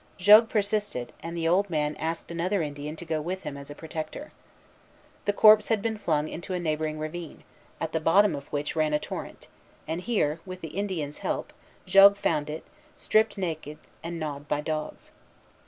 Jogues persisted, and the old man asked another Indian to go with him as a protector. The corpse had been flung into a neighboring ravine, at the bottom of which ran a torrent; and here, with the Indian's help, Jogues found it, stripped naked, and gnawed by dogs.